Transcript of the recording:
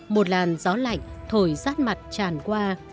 một làn gió lạnh thổi rát mặt tràn qua